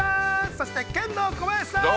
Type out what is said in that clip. そしてケンドーコバヤシさん。